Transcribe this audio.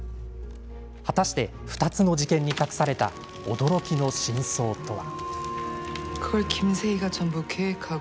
果たして、２つの事件に隠された驚きの真相とは。